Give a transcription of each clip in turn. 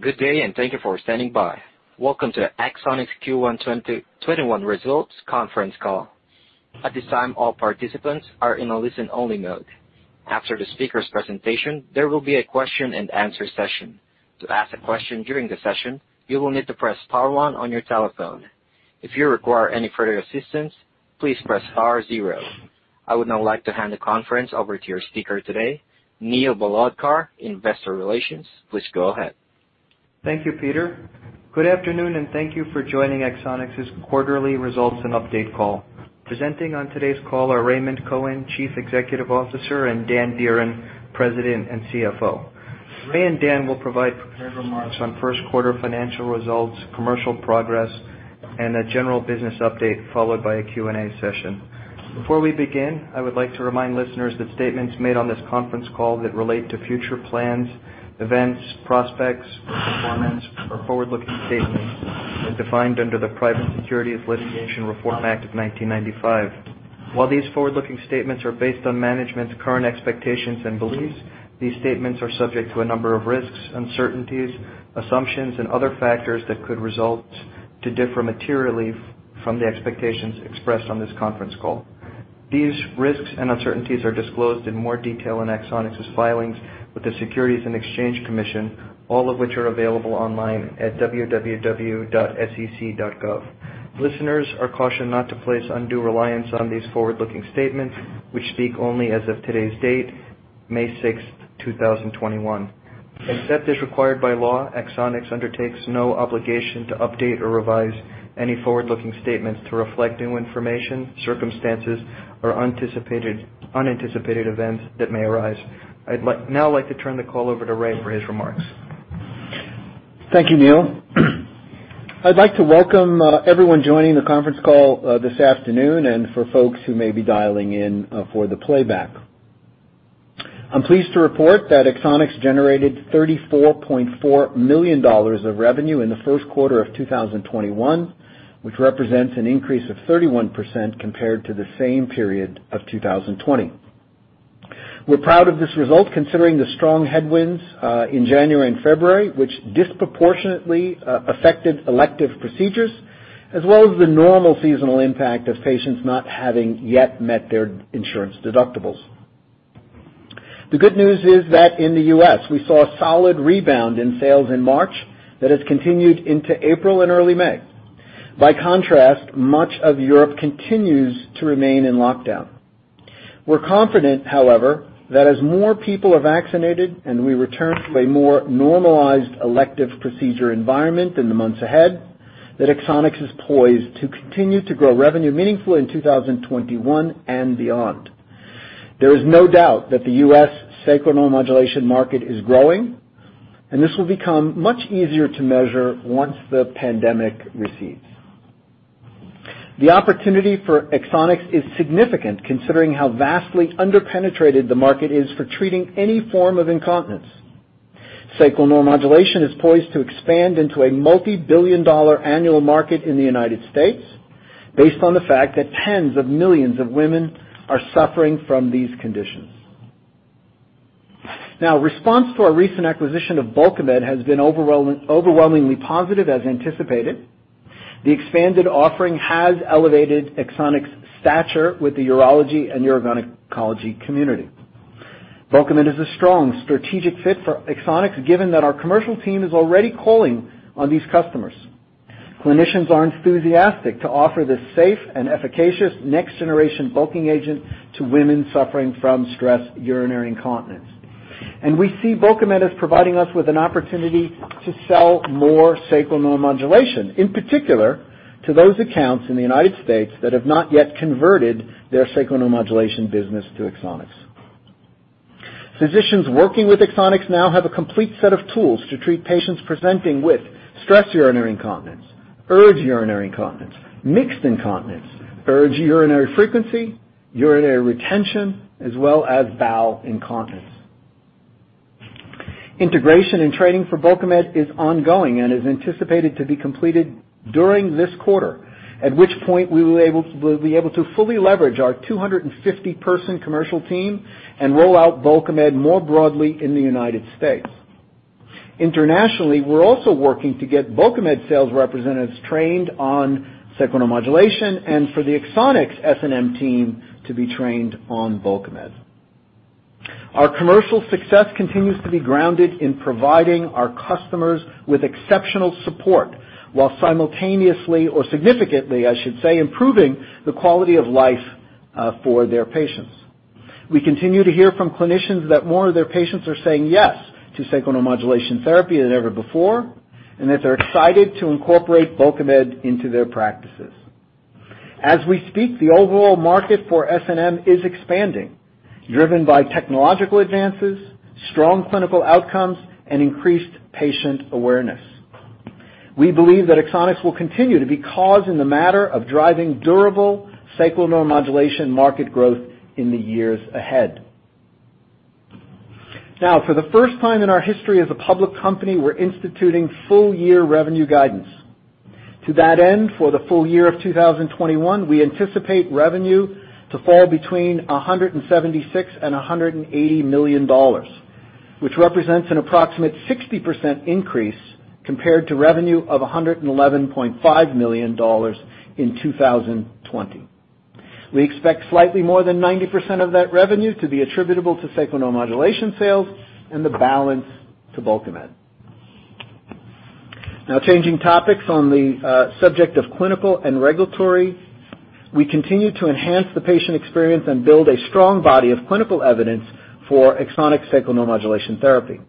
Good day, and thank you for standing by. Welcome to Axonics' Q1 2021 Results Conference Call. At this time, all participants are in a listen-only mode. After the speaker's presentation, there will be a question and answer session. To ask a question during the session, you will need to press star one on your telephone. If you require any further assistance, please press star zero. I would now like to hand the conference over to your speaker today, Neil Bhalodkar, investor relations. Please go ahead. Thank you, Peter. Good afternoon, and thank you for joining Axonics' quarterly results and update call. Presenting on today's call are Raymond Cohen, Chief Executive Officer, and Dan Dearen, President and CFO. Ray and Dan will provide prepared remarks on first quarter financial results, commercial progress, and a general business update, followed by a Q&A session. Before we begin, I would like to remind listeners that statements made on this conference call that relate to future plans, events, prospects, or performance are forward-looking statements as defined under the Private Securities Litigation Reform Act of 1995. While these forward-looking statements are based on management's current expectations and beliefs, these statements are subject to a number of risks, uncertainties, assumptions, and other factors that could result to differ materially from the expectations expressed on this conference call. These risks and uncertainties are disclosed in more detail in Axonics' filings with the Securities and Exchange Commission, all of which are available online at www.sec.gov. Listeners are cautioned not to place undue reliance on these forward-looking statements, which speak only as of today's date, May 6th, 2021. Except as required by law, Axonics undertakes no obligation to update or revise any forward-looking statements to reflect new information, circumstances, or unanticipated events that may arise. I'd now like to turn the call over to Ray for his remarks. Thank you, Neil. I'd like to welcome everyone joining the conference call this afternoon, and for folks who may be dialing in for the playback. I'm pleased to report that Axonics generated $34.4 million of revenue in the first quarter of 2021, which represents an increase of 31% compared to the same period of 2020. We're proud of this result considering the strong headwinds in January and February, which disproportionately affected elective procedures, as well as the normal seasonal impact of patients not having yet met their insurance deductibles. The good news is that in the U.S., we saw a solid rebound in sales in March that has continued into April and early May. By contrast, much of Europe continues to remain in lockdown. We're confident, however, that as more people are vaccinated and we return to a more normalized elective procedure environment in the months ahead, that Axonics is poised to continue to grow revenue meaningfully in 2021 and beyond. There is no doubt that the U.S. Sacral neuromodulation market is growing, and this will become much easier to measure once the pandemic recedes. The opportunity for Axonics is significant considering how vastly under-penetrated the market is for treating any form of incontinence. Sacral neuromodulation is poised to expand into a multi-billion dollar annual market in the United States based on the fact that tens of millions of women are suffering from these conditions. Response to our recent acquisition of Bulkamid has been overwhelmingly positive as anticipated. The expanded offering has elevated Axonics' stature with the urology and urogynecology community. Bulkamid is a strong strategic fit for Axonics, given that our commercial team is already calling on these customers. Clinicians are enthusiastic to offer this safe and efficacious next-generation bulking agent to women suffering from stress urinary incontinence. We see Bulkamid as providing us with an opportunity to sell more sacral neuromodulation, in particular to those accounts in the U.S. that have not yet converted their sacral neuromodulation business to Axonics. Physicians working with Axonics now have a complete set of tools to treat patients presenting with stress urinary incontinence, urge urinary incontinence, mixed incontinence, urge urinary frequency, urinary retention, as well as bowel incontinence. Integration and training for Bulkamid is ongoing and is anticipated to be completed during this quarter, at which point we'll be able to fully leverage our 250-person commercial team and roll out Bulkamid more broadly in the U.S. Internationally, we're also working to get Bulkamid sales representatives trained on sacral neuromodulation and for the Axonics SNM team to be trained on Bulkamid. Our commercial success continues to be grounded in providing our customers with exceptional support while simultaneously or significantly, I should say, improving the quality of life for their patients. We continue to hear from clinicians that more of their patients are saying yes to sacral neuromodulation therapy than ever before, and that they're excited to incorporate Bulkamid into their practices. As we speak, the overall market for SNM is expanding, driven by technological advances, strong clinical outcomes, and increased patient awareness. We believe that Axonics will continue to be cause in the matter of driving durable sacral neuromodulation market growth in the years ahead. For the first time in our history as a public company, we're instituting full year revenue guidance. To that end, for the full year of 2021, we anticipate revenue to fall between $176 million and $180 million, which represents an approximate 60% increase compared to revenue of $111.5 million in 2020. We expect slightly more than 90% of that revenue to be attributable to sacral neuromodulation sales and the balance to Bulkamid. Changing topics on the subject of clinical and regulatory, we continue to enhance the patient experience and build a strong body of clinical evidence for Axonics sacral neuromodulation therapy.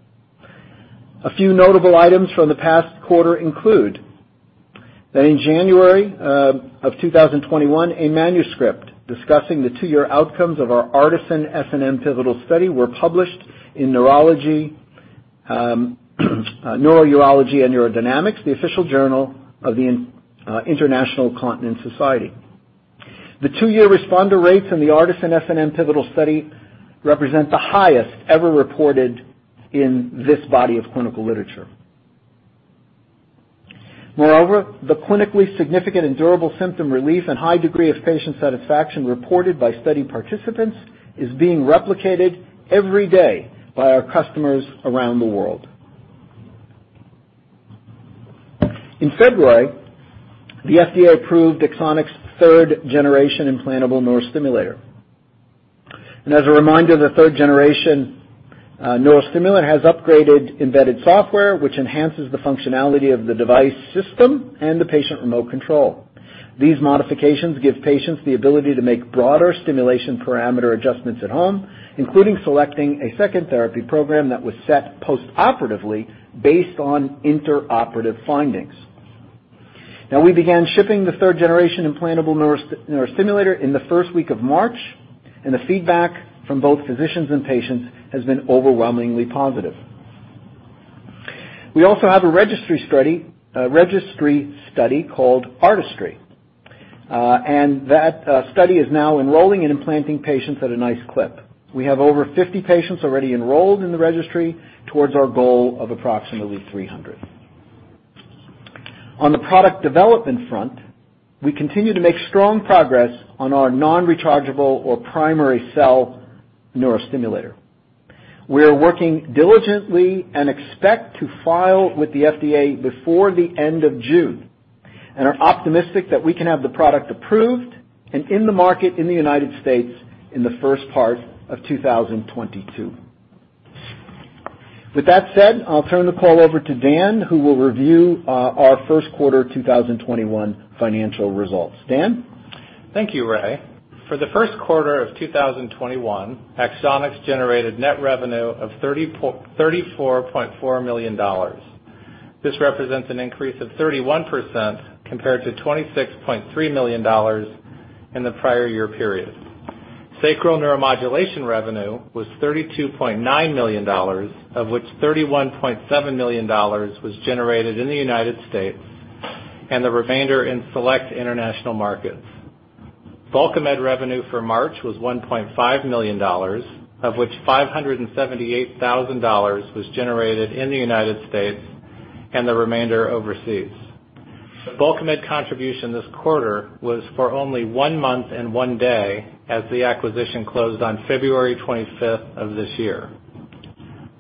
A few notable items from the past quarter include that in January of 2021, a manuscript discussing the two-year outcomes of our ARTISAN-SNM pivotal study were published in Neurourology and Urodynamics, the official journal of the International Continence Society. The two-year responder rates in the ARTISAN-SNM pivotal study represent the highest ever reported in this body of clinical literature. The clinically significant and durable symptom relief and high degree of patient satisfaction reported by study participants is being replicated every day by our customers around the world. In February, the FDA approved Axonics' third-generation implantable neurostimulator. As a reminder, the third-generation neurostimulator has upgraded embedded software, which enhances the functionality of the device system and the patient remote control. These modifications give patients the ability to make broader stimulation parameter adjustments at home, including selecting a second therapy program that was set post-operatively based on intraoperative findings. Now, we began shipping the third-generation implantable neurostimulator in the first week of March, and the feedback from both physicians and patients has been overwhelmingly positive. We also have a registry study called ARTISTRY, and that study is now enrolling and implanting patients at a nice clip. We have over 50 patients already enrolled in the registry towards our goal of approximately 300. On the product development front, we continue to make strong progress on our non-rechargeable or primary cell neurostimulator. We are working diligently and expect to file with the FDA before the end of June, and are optimistic that we can have the product approved and in the market in the U.S. in the first part of 2022. With that said, I'll turn the call over to Dan, who will review our first quarter 2021 financial results. Dan? Thank you, Ray. For the first quarter of 2021, Axonics generated net revenue of $34.4 million. This represents an increase of 31% compared to $26.3 million in the prior year period. Sacral neuromodulation revenue was $32.9 million, of which $31.7 million was generated in the U.S., and the remainder in select international markets. Bulkamid revenue for March was $1.5 million, of which $578,000 was generated in the U.S., and the remainder overseas. The Bulkamid contribution this quarter was for only one month and one day as the acquisition closed on February 25th of this year.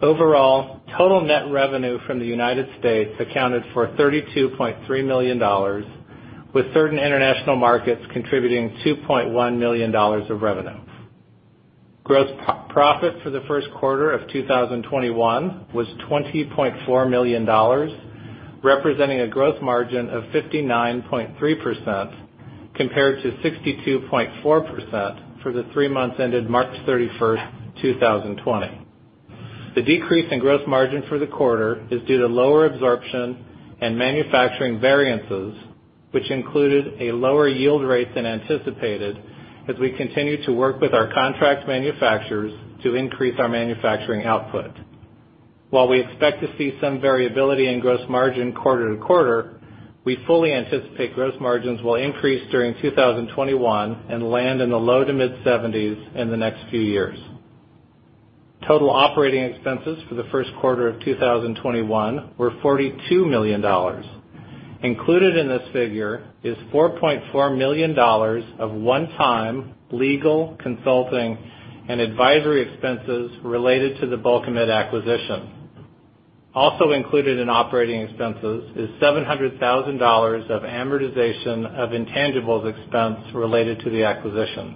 Overall, total net revenue from the U.S. accounted for $32.3 million, with certain international markets contributing $2.1 million of revenue. Gross profit for the first quarter of 2021 was $20.4 million, representing a gross margin of 59.3% compared to 62.4% for the three months ended March 31st, 2020. The decrease in gross margin for the quarter is due to lower absorption and manufacturing variances, which included a lower yield rate than anticipated as we continue to work with our contract manufacturers to increase our manufacturing output. While we expect to see some variability in gross margin quarter-to-quarter, we fully anticipate gross margins will increase during 2021 and land in the low to mid-70s% in the next few years. Total operating expenses for the first quarter of 2021 were $42 million. Included in this figure is $4.4 million of one-time legal consulting and advisory expenses related to the Bulkamid acquisition. Also included in operating expenses is $700,000 of amortization of intangibles expense related to the acquisition.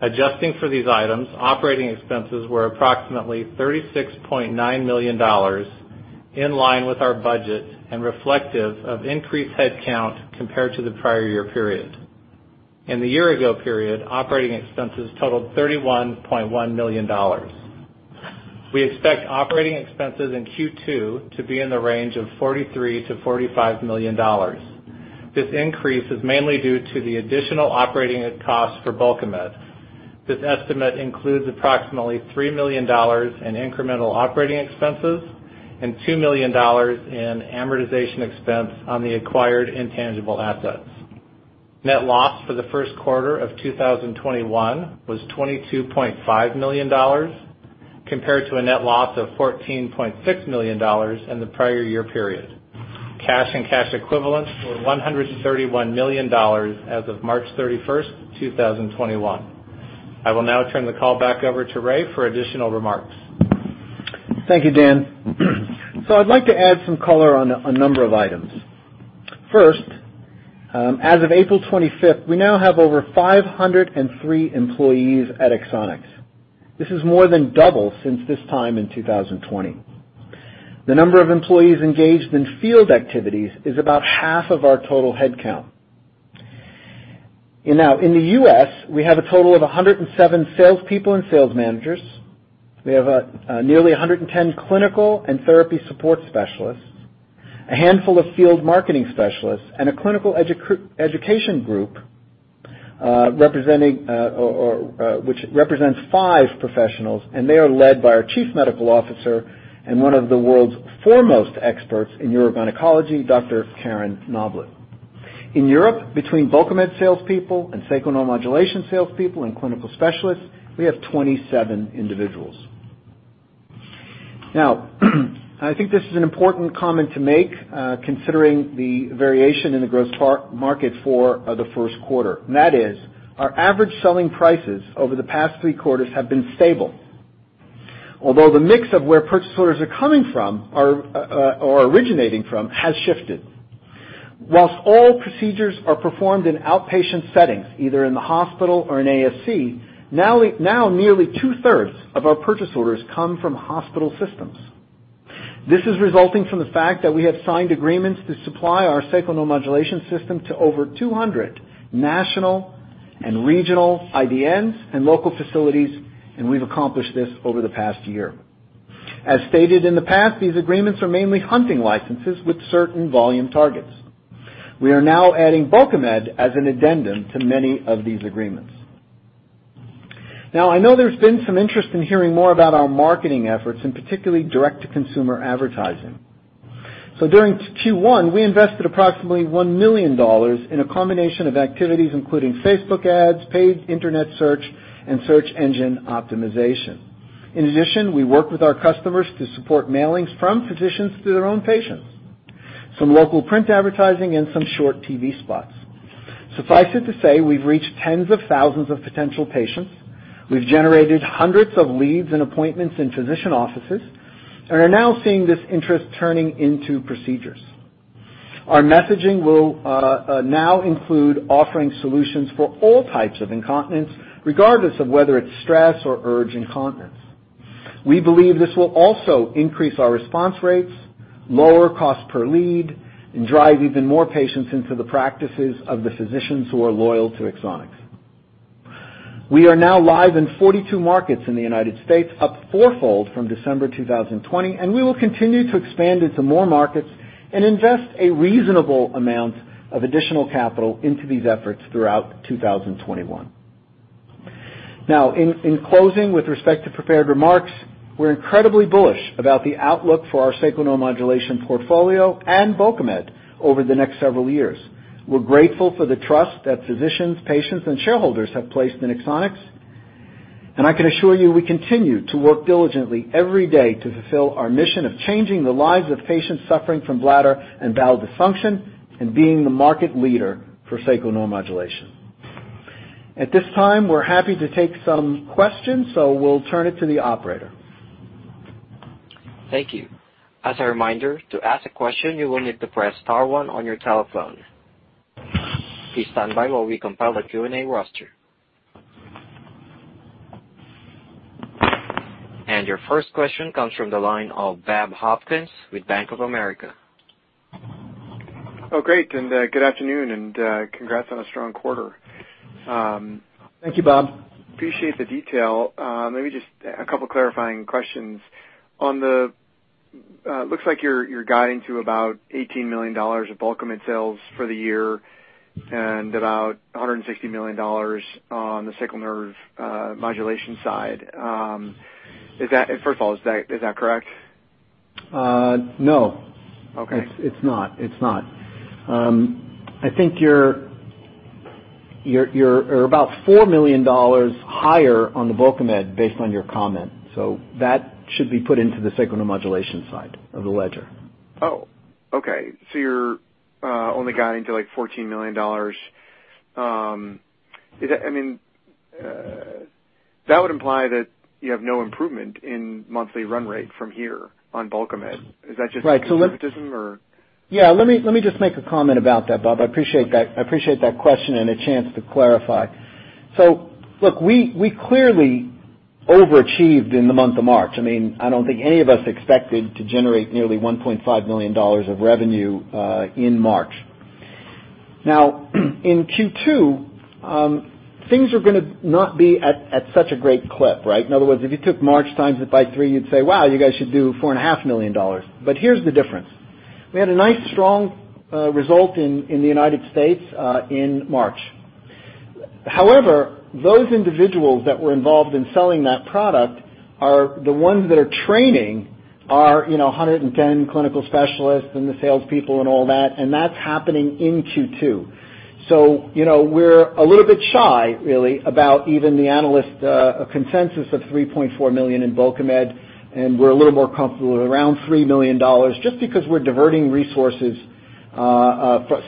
Adjusting for these items, operating expenses were approximately $36.9 million, in line with our budget and reflective of increased headcount compared to the prior year period. In the year-ago period, operating expenses totaled $31.1 million. We expect operating expenses in Q2 to be in the range of $43 million-$45 million. This increase is mainly due to the additional operating costs for Bulkamid. This estimate includes approximately $3 million in incremental operating expenses and $2 million in amortization expense on the acquired intangible assets. Net loss for the first quarter of 2021 was $22.5 million, compared to a net loss of $14.6 million in the prior year period. Cash and cash equivalents were $131 million as of March 31st, 2021. I will now turn the call back over to Ray for additional remarks. Thank you, Dan. I'd like to add some color on a number of items. First, as of April 25th, we now have over 503 employees at Axonics. This is more than double since this time in 2020. The number of employees engaged in field activities is about half of our total headcount. In the U.S., we have a total of 107 salespeople and sales managers. We have nearly 110 clinical and therapy support specialists, a handful of field marketing specialists, and a clinical education group, which represents five professionals, and they are led by our Chief Medical Officer and one of the world's foremost experts in urogynecology, Dr. Karen Noblett. In Europe, between Bulkamid salespeople and sacral neuromodulation salespeople and clinical specialists, we have 27 individuals. I think this is an important comment to make, considering the variation in the growth market for the first quarter, and that is, our average selling prices over the past three quarters have been stable. The mix of where purchase orders are coming from, or originating from, has shifted. All procedures are performed in outpatient settings, either in the hospital or in ASC, now nearly two-thirds of our purchase orders come from hospital systems. This is resulting from the fact that we have signed agreements to supply our sacral nerve modulation system to over 200 national and regional IDNs and local facilities, and we've accomplished this over the past year. As stated in the past, these agreements are mainly hunting licenses with certain volume targets. We are now adding Bulkamid as an addendum to many of these agreements. I know there's been some interest in hearing more about our marketing efforts and particularly direct-to-consumer advertising. During Q1, we invested approximately $1 million in a combination of activities, including Facebook ads, paid internet search, and search engine optimization. In addition, we worked with our customers to support mailings from physicians to their own patients, some local print advertising, and some short TV spots. Suffice it to say, we've reached tens of thousands of potential patients. We've generated hundreds of leads and appointments in physician offices and are now seeing this interest turning into procedures. Our messaging will now include offering solutions for all types of incontinence, regardless of whether it's stress or urge incontinence. We believe this will also increase our response rates, lower cost per lead, and drive even more patients into the practices of the physicians who are loyal to Axonics. We are now live in 42 markets in the U.S., up fourfold from December 2020. We will continue to expand into more markets and invest a reasonable amount of additional capital into these efforts throughout 2021. In closing, with respect to prepared remarks, we're incredibly bullish about the outlook for our sacral neuromodulation portfolio and Bulkamid over the next several years. We're grateful for the trust that physicians, patients, and shareholders have placed in Axonics. I can assure you we continue to work diligently every day to fulfill our mission of changing the lives of patients suffering from bladder and bowel dysfunction and being the market leader for sacral neuromodulation. At this time, we're happy to take some questions. We'll turn it to the operator. Thank you. As a reminder, to ask a question, you will need to press star one on your telephone. Please stand by while we compile the Q&A roster. Your first question comes from the line of Bob Hopkins with Bank of America. Oh, great, and good afternoon, and congrats on a strong quarter. Thank you, Bob. Appreciate the detail. Let me just a couple clarifying questions. It looks like you're guiding to about $18 million of Bulkamid sales for the year and about $160 million on the sacral neuromodulation side. First of all, is that correct? No. Okay. It's not. I think you're about $4 million higher on the Bulkamid based on your comment. That should be put into the sacral neuromodulation side of the ledger. Oh, okay. You're only guiding to $14 million. That would imply that you have no improvement in monthly run rate from here on Bulkamid. Right. Or? Yeah, let me just make a comment about that, Bob. I appreciate that question and a chance to clarify. Look, we clearly overachieved in the month of March. I don't think any of us expected to generate nearly $1.5 million of revenue in March. Now, in Q2, things are going to not be at such a great clip, right? In other words, if you took March, times it by three, you'd say, "Wow, you guys should do $4.5 million." Here's the difference. We had a nice, strong result in the United States in March. However, those individuals that were involved in selling that product are the ones that are training our 110 clinical specialists and the salespeople and all that, and that's happening in Q2. We're a little bit shy really about even the analyst consensus of $3.4 million in Bulkamid, and we're a little more comfortable around $3 million just because we're diverting resources,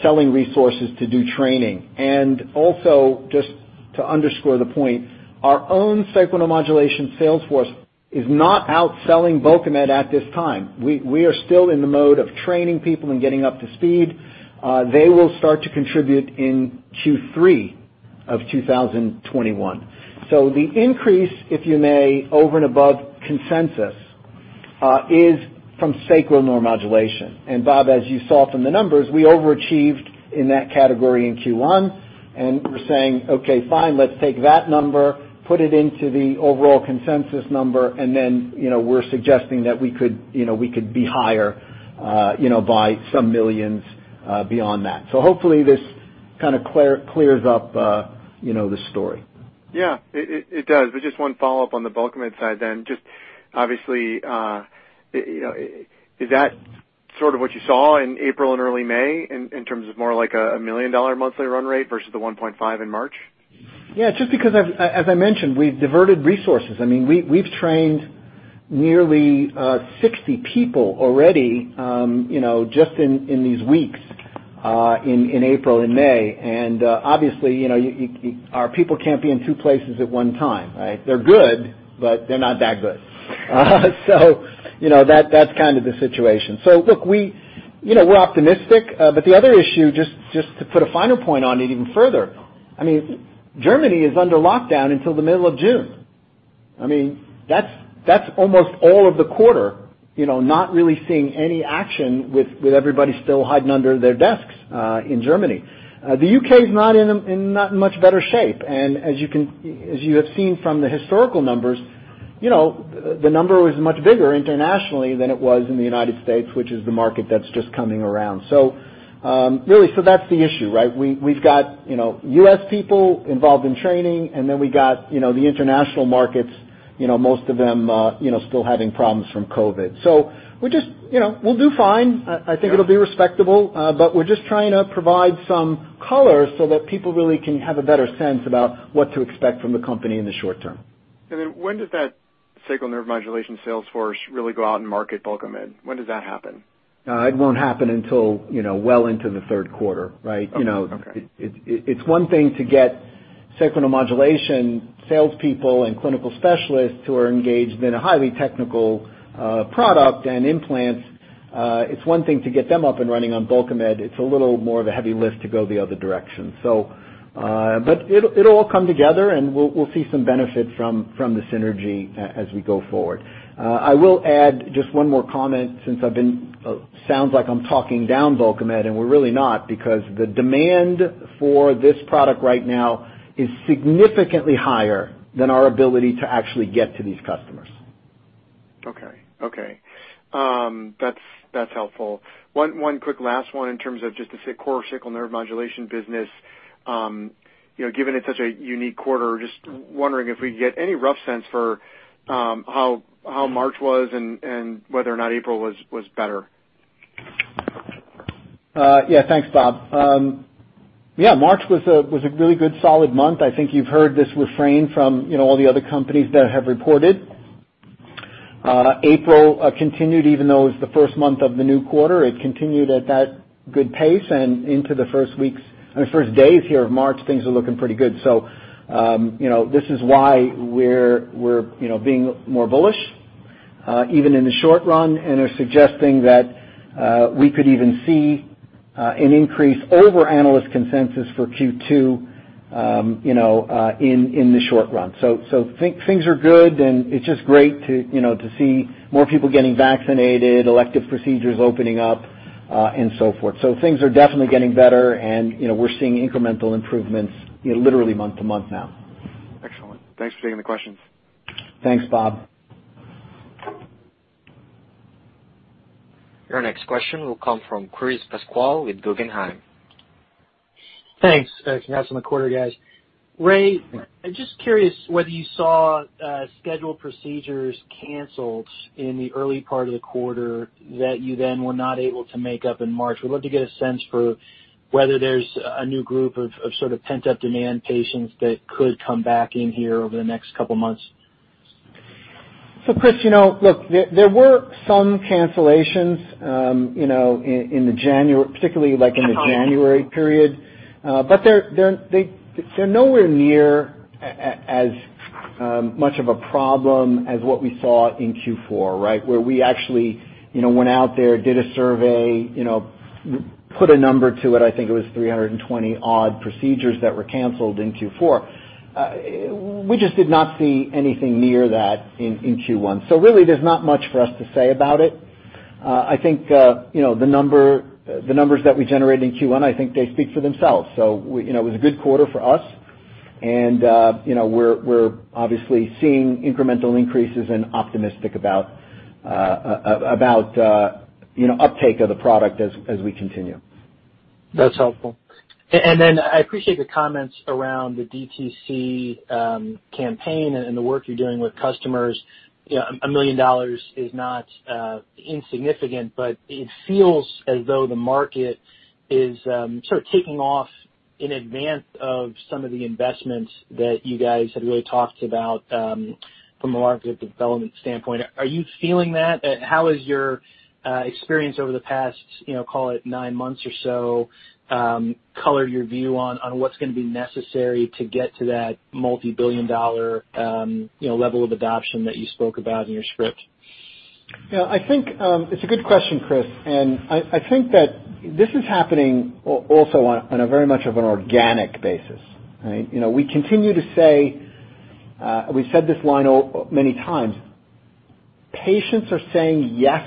selling resources to do training. Also just to underscore the point, our own sacral neuromodulation sales force is not out selling Bulkamid at this time. We are still in the mode of training people and getting up to speed. They will start to contribute in Q3 of 2021. The increase, if you may, over and above consensus, is from sacral neuromodulation. Bob, as you saw from the numbers, we overachieved in that category in Q1, and we're saying, "Okay, fine, let's take that number, put it into the overall consensus number," and then we're suggesting that we could be higher by some millions beyond that. Hopefully this kind of clears up the story. Yeah, it does. Just one follow-up on the Bulkamid side then. Just obviously, is that sort of what you saw in April and early May in terms of more like a $1 million monthly run rate versus the $1.5 million in March? Yeah, just because, as I mentioned, we've diverted resources. We've trained nearly 60 people already just in these weeks, in April and May. Obviously, our people can't be in two places at one time, right? They're good, they're not that good. That's kind of the situation. Look, we're optimistic. The other issue, just to put a finer point on it even further, Germany is under lockdown until the middle of June. That's almost all of the quarter, not really seeing any action with everybody still hiding under their desks, in Germany. The U.K. is not in much better shape, as you have seen from the historical numbers, the number was much bigger internationally than it was in the U.S., which is the market that's just coming around. That's the issue, right? We've got U.S. people involved in training. We got the international markets, most of them still having problems from COVID. We'll do fine. I think it'll be respectable. We're just trying to provide some color so that people really can have a better sense about what to expect from the company in the short term. When does that sacral neuromodulation sales force really go out and market Bulkamid? When does that happen? It won't happen until well into the third quarter, right? Okay. It's one thing to get sacral neuromodulation salespeople and clinical specialists who are engaged in a highly technical product and implants. It's one thing to get them up and running on Bulkamid. It's a little more of a heavy lift to go the other direction. It'll all come together, and we'll see some benefit from the synergy as we go forward. I will add just one more comment since it sounds like I'm talking down Bulkamid, and we're really not because the demand for this product right now is significantly higher than our ability to actually get to these customers. Okay. That's helpful. One quick last one in terms of just the core sacral neuromodulation business. Given it's such a unique quarter, just wondering if we could get any rough sense for how March was and whether or not April was better. Thanks, Bob. March was a really good, solid month. I think you've heard this refrain from all the other companies that have reported. April continued even though it was the first month of the new quarter. It continued at that good pace and into the first days here of March, things are looking pretty good. This is why we're being more bullish, even in the short run, and are suggesting that we could even see an increase over analyst consensus for Q2 in the short run. Things are good, and it's just great to see more people getting vaccinated, elective procedures opening up, and so forth. Things are definitely getting better and we're seeing incremental improvements literally month to month now. Excellent. Thanks for taking the questions. Thanks, Bob. Your next question will come from Chris Pasquale with Guggenheim. Thanks. Congrats on the quarter, guys. Ray, I'm just curious whether you saw scheduled procedures canceled in the early part of the quarter that you then were not able to make up in March? Would love to get a sense for whether there's a new group of sort of pent-up demand patients that could come back in here over the next couple of months? Chris, look, there were some cancellations, particularly like in the January period. They're nowhere near as much of a problem as what we saw in Q4, right? Where we actually went out there, did a survey, put a number to it. I think it was 320-odd procedures that were canceled in Q4. We just did not see anything near that in Q1. Really, there's not much for us to say about it. I think the numbers that we generated in Q1, I think they speak for themselves. It was a good quarter for us, and we're obviously seeing incremental increases and optimistic about uptake of the product as we continue. That's helpful. I appreciate the comments around the DTC campaign and the work you're doing with customers. $1 million is not insignificant, but it feels as though the market is sort of taking off in advance of some of the investments that you guys have really talked about from a market development standpoint. Are you feeling that? How has your experience over the past call it nine months or so colored your view on what's going to be necessary to get to that multi-billion dollar level of adoption that you spoke about in your script? It's a good question, Chris. I think that this is happening also on a very much of an organic basis. Right? We continue to say, we've said this line many times, patients are saying yes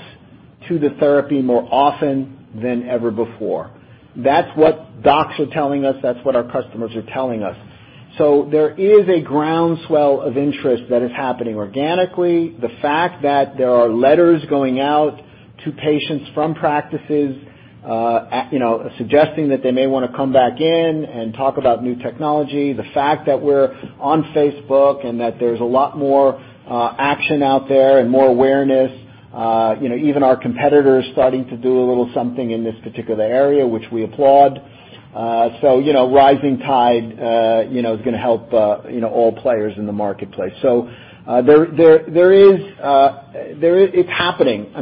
to the therapy more often than ever before. That's what docs are telling us, that's what our customers are telling us. There is a groundswell of interest that is happening organically. The fact that there are letters going out to patients from practices suggesting that they may want to come back in and talk about new technology, the fact that we're on Facebook and that there's a lot more action out there and more awareness, even our competitors starting to do a little something in this particular area, which we applaud. Rising tide is going to help all players in the marketplace. It's happening.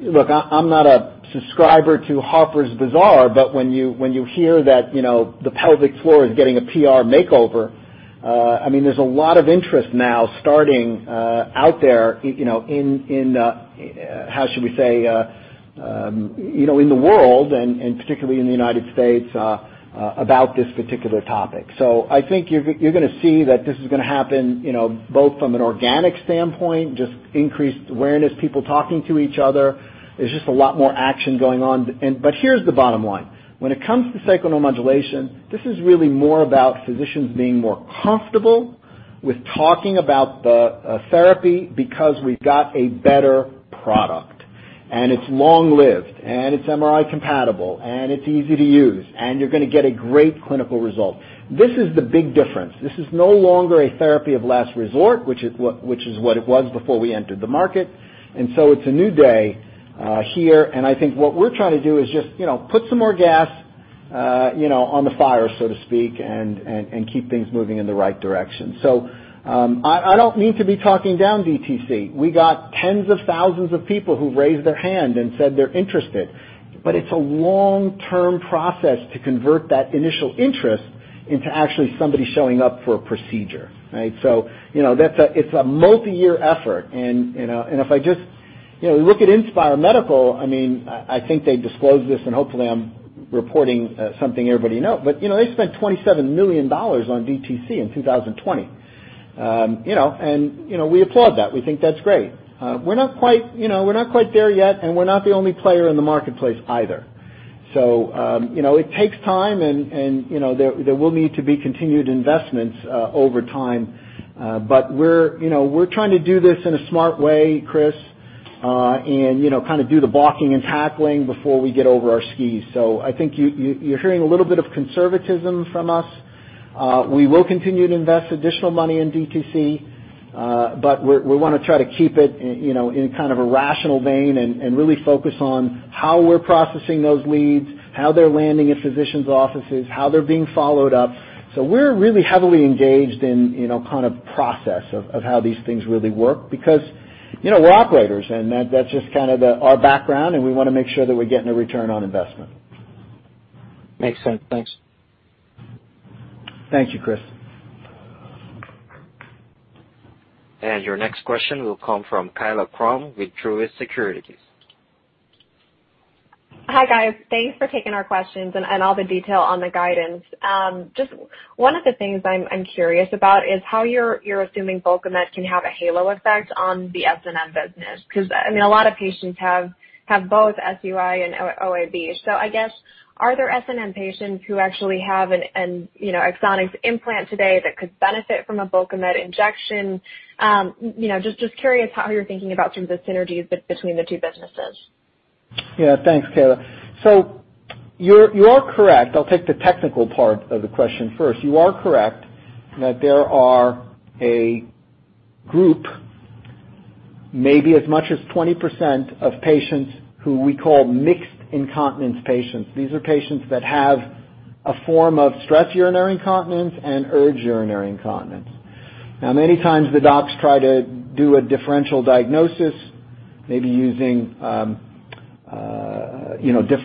Look, I'm not a subscriber to Harper's Bazaar, when you hear that the pelvic floor is getting a PR makeover, there's a lot of interest now starting out there in, how should we say, in the world and particularly in the United States, about this particular topic. I think you're going to see that this is going to happen both from an organic standpoint, just increased awareness, people talking to each other. There's just a lot more action going on. Here's the bottom line. When it comes to sacral neuromodulation, this is really more about physicians being more comfortable with talking about the therapy because we've got a better product, and it's long-lived, and it's MRI compatible, and it's easy to use, and you're going to get a great clinical result. This is the big difference. This is no longer a therapy of last resort, which is what it was before we entered the market. I think what we're trying to do is just put some more gas on the fire, so to speak, and keep things moving in the right direction. I don't mean to be talking down DTC. We got tens of thousands of people who raised their hand and said they're interested, but it's a long-term process to convert that initial interest into actually somebody showing up for a procedure. Right. It's a multi-year effort. If I just look at Inspire Medical, I think they disclose this and hopefully I'm reporting something everybody know, but they spent $27 million on DTC in 2020. We applaud that. We think that's great. We're not quite there yet. We're not the only player in the marketplace either. It takes time, and there will need to be continued investments over time. We're trying to do this in a smart way, Chris, and kind of do the blocking and tackling before we get over our skis. I think you're hearing a little bit of conservatism from us. We will continue to invest additional money in DTC, but we want to try to keep it in kind of a rational vein and really focus on how we're processing those leads, how they're landing in physicians' offices, how they're being followed up. We're really heavily engaged in kind of process of how these things really work because we're operators, and that's just kind of our background, and we want to make sure that we're getting a return on investment. Makes sense. Thanks. Thank you, Chris. Your next question will come from Kaila Krum with Truist Securities. Hi, guys. Thanks for taking our questions and all the detail on the guidance. Just one of the things I'm curious about is how you're assuming Bulkamid can have a halo effect on the SNM business. A lot of patients have both SUI and OAB. I guess, are there SNM patients who actually have an Axonics implant today that could benefit from a Bulkamid injection? Just curious how you're thinking about sort of the synergies between the two businesses. Yeah. Thanks, Kaila. You're correct. I'll take the technical part of the question first. You are correct that there are a group, maybe as much as 20% of patients who we call mixed incontinence patients. These are patients that have a form of stress urinary incontinence and urge urinary incontinence. Many times the docs try to do a differential diagnosis, maybe using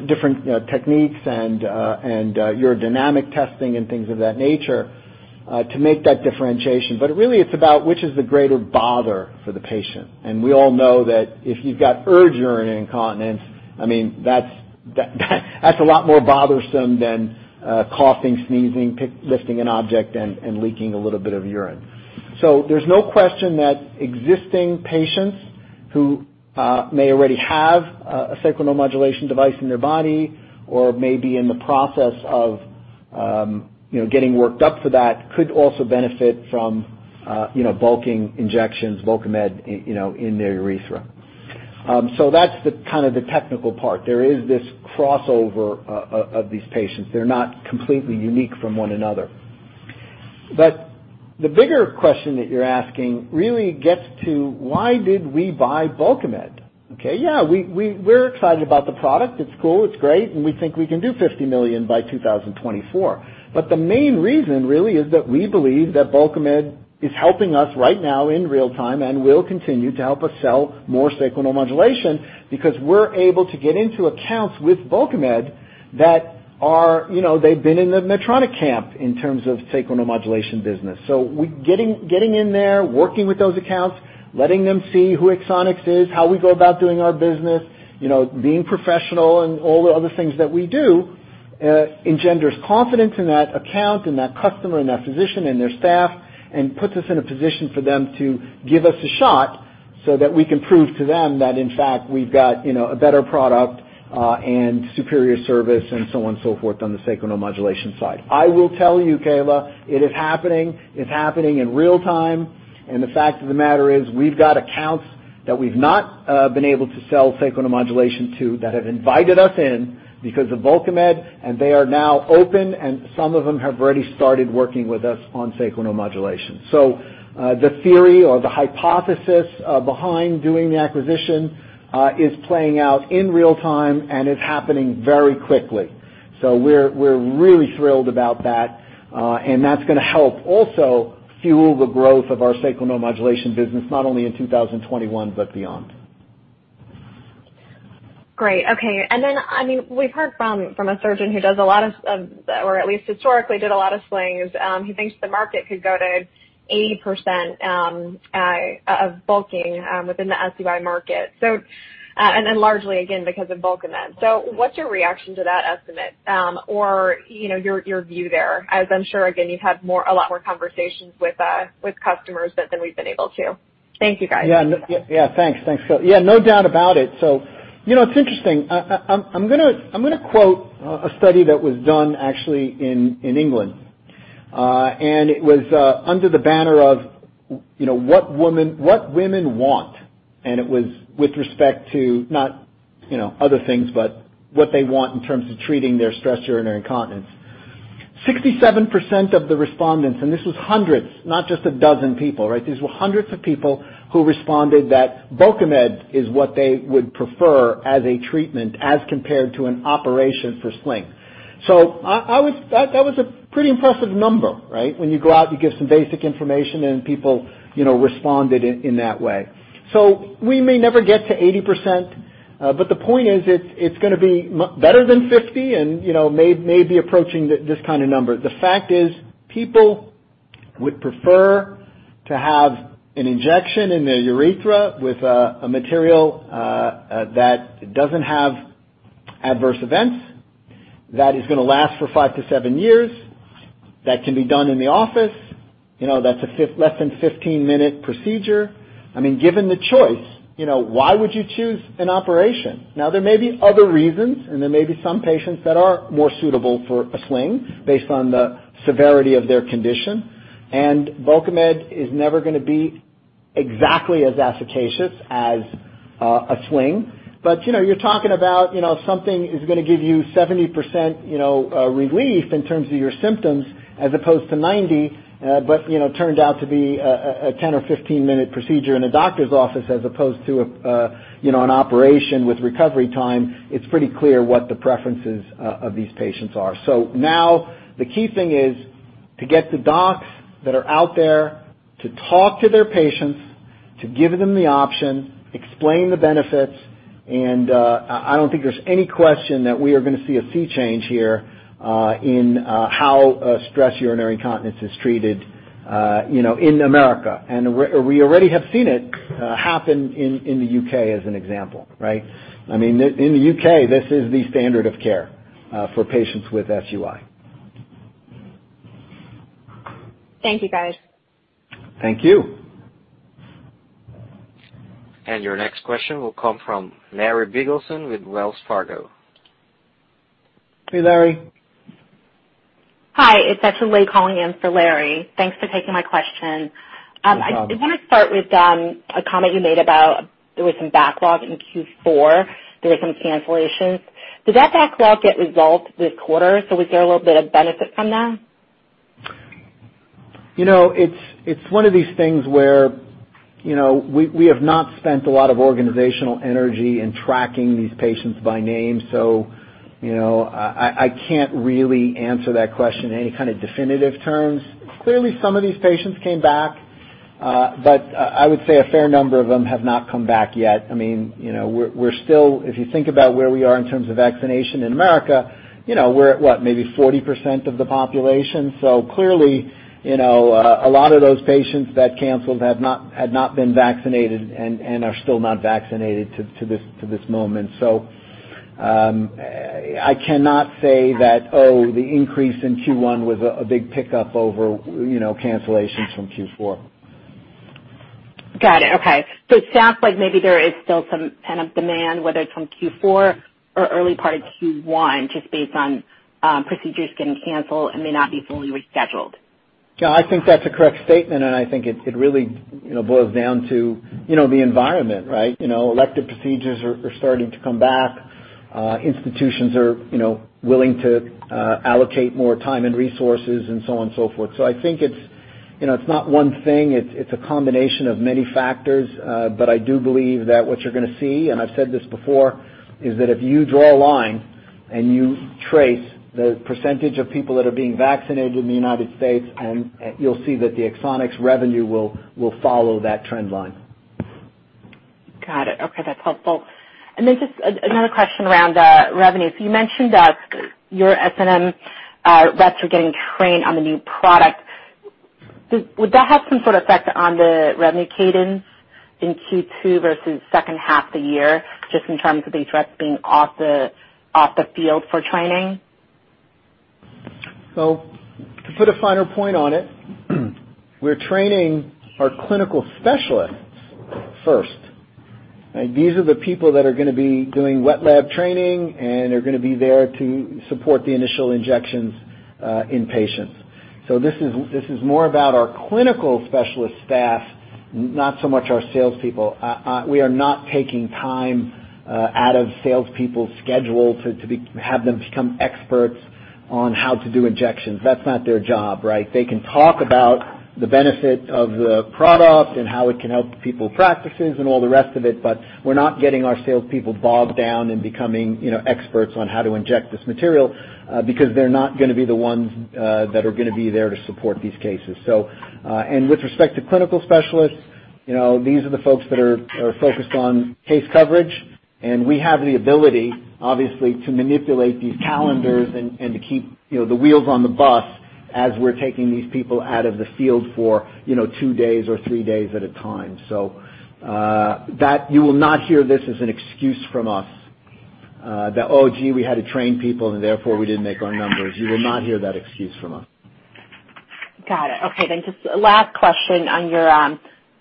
different techniques and urodynamic testing and things of that nature to make that differentiation. Really, it's about which is the greater bother for the patient. We all know that if you've got urge urinary incontinence, that's a lot more bothersome than coughing, sneezing, lifting an object, and leaking a little bit of urine. There's no question that existing patients who may already have a sacral neuromodulation device in their body, or may be in the process of getting worked up for that could also benefit from bulking injections, Bulkamid in their urethra. That's the technical part. There is this crossover of these patients. They're not completely unique from one another. The bigger question that you're asking really gets to why did we buy Bulkamid? Okay. Yeah, we're excited about the product. It's cool, it's great, and we think we can do $50 million by 2024. The main reason really is that we believe that Bulkamid is helping us right now in real-time and will continue to help us sell more sacral neuromodulation because we're able to get into accounts with Bulkamid that they've been in the Medtronic camp in terms of sacral neuromodulation business. We're getting in there, working with those accounts, letting them see who Axonics is, how we go about doing our business, being professional and all the other things that we do, engenders confidence in that account, in that customer, in that physician, in their staff, and puts us in a position for them to give us a shot so that we can prove to them that, in fact, we've got a better product, and superior service, and so on and so forth, on the sacral neuromodulation side. I will tell you, Kaila, it is happening. It's happening in real time, and the fact of the matter is, we've got accounts that we've not been able to sell sacral neuromodulation to that have invited us in because of Bulkamid, and they are now open, and some of them have already started working with us on sacral neuromodulation. The theory or the hypothesis behind doing the acquisition is playing out in real time, and is happening very quickly. We're really thrilled about that. That's going to help also fuel the growth of our sacral neuromodulation business, not only in 2021, but beyond. Great. Okay. We've heard from a surgeon who does a lot of, or at least historically did a lot of slings. He thinks the market could go to 80% of bulking within the SUI market. Largely, again, because of Bulkamid. What's your reaction to that estimate? Your view there, as I'm sure, again, you've had a lot more conversations with customers than we've been able to. Thank you, guys. Yeah. Thanks. Yeah, no doubt about it. It's interesting. I'm going to quote a study that was done actually in England. It was under the banner of what women want, and it was with respect to not other things, but what they want in terms of treating their stress urinary incontinence. 67% of the respondents, and this was hundreds, not just a dozen people, right? These were hundreds of people who responded that Bulkamid is what they would prefer as a treatment as compared to an operation for sling. That was a pretty impressive number, right? When you go out, you give some basic information, and people responded in that way. We may never get to 80%, but the point is, it's going to be better than 50% and may be approaching this kind of number. The fact is people would prefer to have an injection in their urethra with a material that doesn't have adverse events, that is going to last for five to seven years. That can be done in the office. That's a less than 15-minute procedure. Given the choice, why would you choose an operation? There may be other reasons, and there may be some patients that are more suitable for a sling based on the severity of their condition. Bulkamid is never going to be exactly as efficacious as a sling. You're talking about something is going to give you 70% relief in terms of your symptoms as opposed to 90%, but turns out to be a 10 or 15-minute procedure in a doctor's office as opposed to an operation with recovery time. It's pretty clear what the preferences of these patients are. Now the key thing is to get the docs that are out there to talk to their patients, to give them the option, explain the benefits, and I don't think there's any question that we are going to see a sea change here in how stress urinary incontinence is treated in America. We already have seen it happen in the U.K. as an example, right? In the U.K., this is the standard of care for patients with SUI. Thank you, guys. Thank you. Your next question will come from Larry Biegelsen with Wells Fargo. Hey, Larry. Hi. It's actually calling in for Larry. Thanks for taking my question. No problem. I want to start with a comment you made about there was some backlog in Q4. There were some cancellations. Did that backlog get resolved this quarter? Was there a little bit of benefit from that? It's one of these things where we have not spent a lot of organizational energy in tracking these patients by name. I can't really answer that question in any kind of definitive terms. Clearly, some of these patients came back. I would say a fair number of them have not come back yet. If you think about where we are in terms of vaccination in America, we're at what, maybe 40% of the population. Clearly, a lot of those patients that canceled had not been vaccinated and are still not vaccinated to this moment. I cannot say that, oh, the increase in Q1 was a big pickup over cancellations from Q4. Got it. Okay. It sounds like maybe there is still some pent-up demand, whether it's from Q4 or early part of Q1, just based on procedures getting canceled and may not be fully rescheduled. Yeah, I think that's a correct statement, and I think it really boils down to the environment, right? Elective procedures are starting to come back. Institutions are willing to allocate more time and resources, and so on and so forth. I think it's not one thing. It's a combination of many factors. I do believe that what you're going to see, and I've said this before, is that if you draw a line and you trace the % of people that are being vaccinated in the U.S., you'll see that the Axonics revenue will follow that trend line. Got it. Okay. That's helpful. Just another question around revenue. You mentioned that your SNM reps are getting trained on the new product. Would that have some sort of effect on the revenue cadence in Q2 versus second half of the year, just in terms of these reps being off the field for training? To put a finer point on it, we're training our clinical specialists first. These are the people that are going to be doing wet lab training and are going to be there to support the initial injections in patients. This is more about our clinical specialist staff, not so much our salespeople. We are not taking time out of salespeople's schedule to have them become experts on how to do injections. That's not their job, right? They can talk about the benefit of the product and how it can help people with practices and all the rest of it, but we're not getting our salespeople bogged down in becoming experts on how to inject this material, because they're not going to be the ones that are going to be there to support these cases. With respect to clinical specialists, these are the folks that are focused on case coverage, and we have the ability, obviously, to manipulate these calendars and to keep the wheels on the bus as we're taking these people out of the field for two days or three days at a time. You will not hear this as an excuse from us, that, "Oh, gee, we had to train people and therefore we didn't make our numbers." You will not hear that excuse from us. Got it. Okay, just last question. On your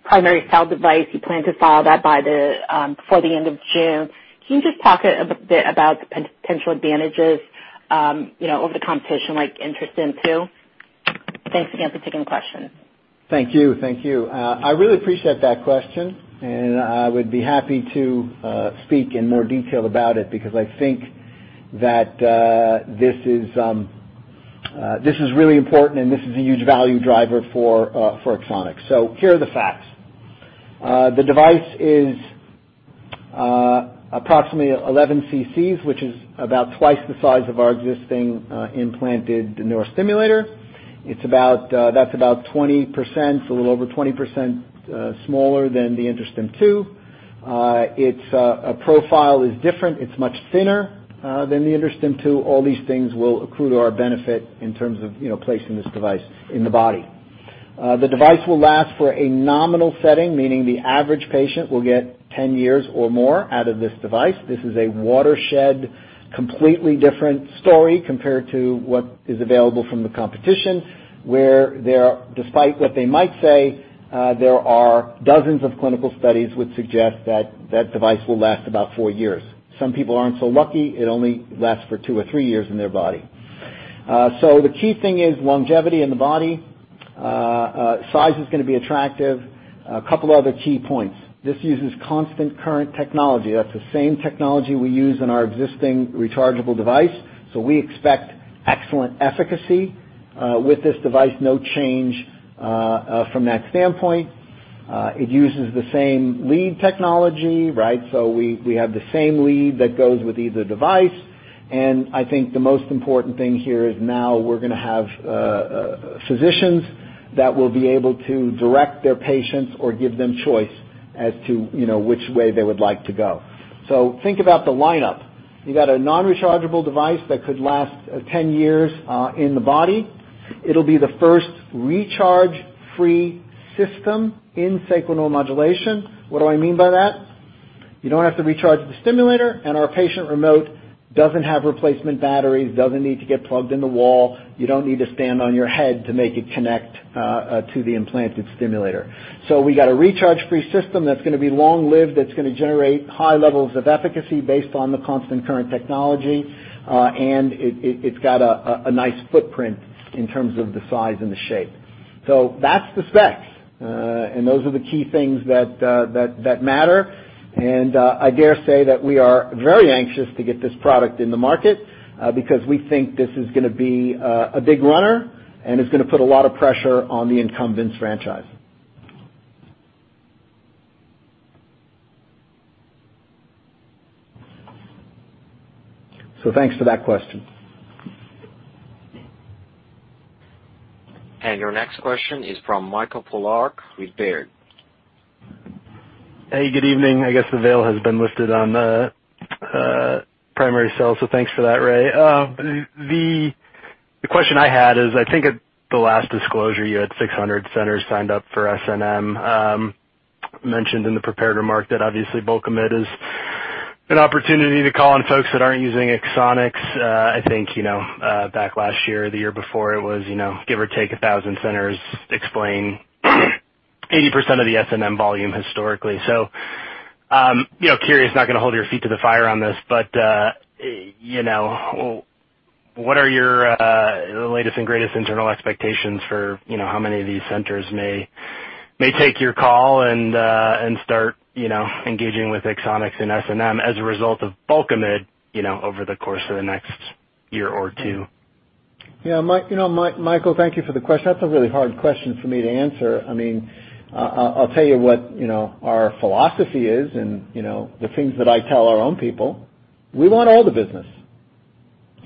primary cell device, you plan to file that before the end of June. Can you just talk a bit about the potential advantages over the competition, like InterStim II? Thanks again for taking the question. Thank you. I really appreciate that question, and I would be happy to speak in more detail about it, because I think that this is really important and this is a huge value driver for Axonics. Here are the facts. The device is approximately 11 cc's, which is about twice the size of our existing implanted neurostimulator. That's about a little over 20% smaller than the InterStim II. Its profile is different. It's much thinner than the InterStim II. All these things will accrue to our benefit in terms of placing this device in the body. The device will last for a nominal setting, meaning the average patient will get 10 years or more out of this device. This is a watershed, completely different story compared to what is available from the competition, where despite what they might say, there are dozens of clinical studies which suggest that that device will last about four years. Some people aren't so lucky. It only lasts for two or three years in their body. The key thing is longevity in the body. Size is going to be attractive. A couple other key points. This uses constant current technology. That's the same technology we use in our existing rechargeable device. We expect excellent efficacy with this device, no change from that standpoint. It uses the same lead technology, right? We have the same lead that goes with either device. I think the most important thing here is now we're going to have physicians that will be able to direct their patients or give them choice as to which way they would like to go. Think about the lineup. You got a non-rechargeable device that could last 10 years in the body. It'll be the first recharge-free system in sacral neuromodulation. What do I mean by that? You don't have to recharge the stimulator, and our patient remote doesn't have replacement batteries, doesn't need to get plugged in the wall. You don't need to stand on your head to make it connect to the implanted stimulator. We got a recharge-free system that's going to be long-lived, that's going to generate high levels of efficacy based on the constant current technology. It's got a nice footprint in terms of the size and the shape. That's the specs, and those are the key things that matter. I dare say that we are very anxious to get this product in the market, because we think this is going to be a big runner and is going to put a lot of pressure on the incumbents' franchise. Thanks for that question. Your next question is from Michael Polark with Baird. Hey, good evening. I guess the veil has been lifted on the primary cell, thanks for that, Ray. The question I had is, I think at the last disclosure, you had 600 centers signed up for SNM. Mentioned in the prepared remark that obviously Bulkamid is an opportunity to call on folks that aren't using Axonics. I think, back last year or the year before, it was give or take 1,000 centers explain 80% of the SNM volume historically. Curious, not going to hold your feet to the fire on this, but what are your latest and greatest internal expectations for how many of these centers may take your call and start engaging with Axonics and SNM as a result of Bulkamid over the course of the next year or two? Yeah. Michael, thank you for the question. That's a really hard question for me to answer. I'll tell you what our philosophy is and the things that I tell our own people. We want all the business.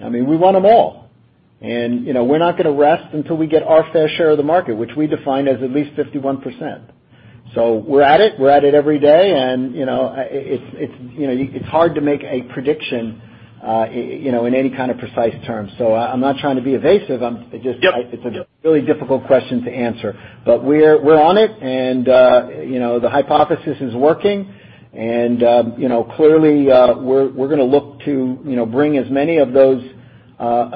We want them all. We're not going to rest until we get our fair share of the market, which we define as at least 51%. We're at it every day, and it's hard to make a prediction in any kind of precise terms. I'm not trying to be evasive. Yep. It's a really difficult question to answer. We're on it, and the hypothesis is working, and clearly, we're going to look to bring as many of those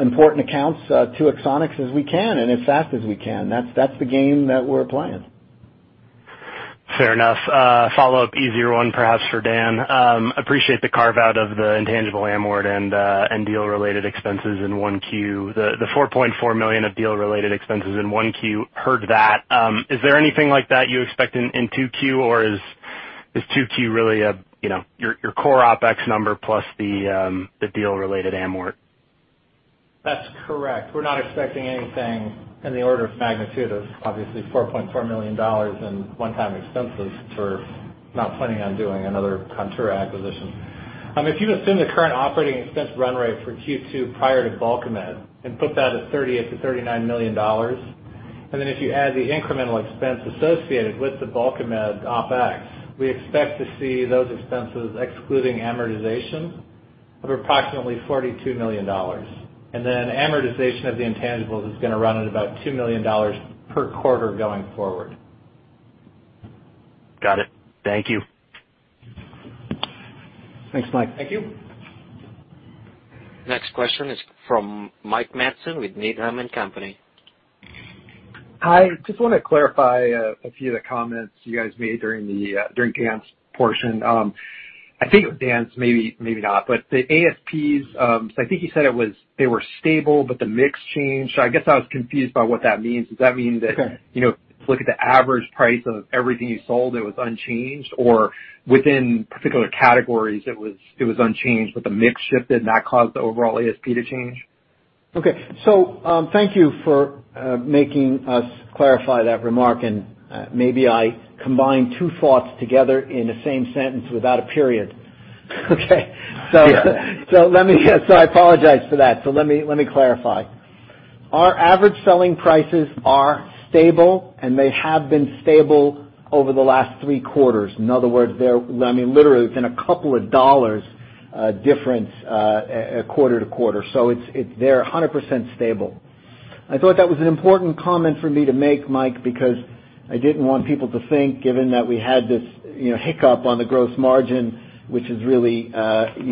important accounts to Axonics as we can and as fast as we can. That's the game that we're playing. Fair enough. A follow-up easier one perhaps for Dan. Appreciate the carve-out of the intangible amort and deal-related expenses in 1Q. The $4.4 million of deal-related expenses in 1Q, heard that. Is there anything like that you expect in 2Q, or is 2Q really your core OpEx number plus the deal-related amort? That's correct. We're not expecting anything in the order of magnitude of, obviously, $4.4 million in one-time expenses for not planning on doing another Contura acquisition. If you assume the current operating expense run rate for Q2 prior to Bulkamid and put that at $38 million-$39 million, and then if you add the incremental expense associated with the Bulkamid OpEx, we expect to see those expenses, excluding amortization, of approximately $42 million. And then amortization of the intangibles is going to run at about $2 million per quarter going forward. Got it. Thank you. Thanks, Mike. Thank you. Next question is from Mike Matson with Needham & Company. Hi. Just want to clarify a few of the comments you guys made during Dan's portion. I think it was Dan's, maybe not. The ASPs, I think you said they were stable, but the mix changed. I guess I was confused by what that means. Does that mean that? Okay if you look at the average price of everything you sold, it was unchanged, or within particular categories it was unchanged, but the mix shifted, and that caused the overall ASP to change? Okay. Thank you for making us clarify that remark, and maybe I combined two thoughts together in the same sentence without a period. Okay. Sure. I apologize for that. Let me clarify. Our average selling prices are stable, and they have been stable over the last three quarters. In other words, literally, it's been a couple of dollars difference quarter-to-quarter. They're 100% stable. I thought that was an important comment for me to make, Mike, because I didn't want people to think, given that we had this hiccup on the gross margin, which is really not a